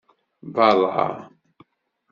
Berra!